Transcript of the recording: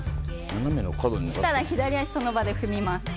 そしたら左足その場で踏みます。